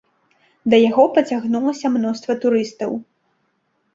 Да яго пацягнулася мноства турыстаў.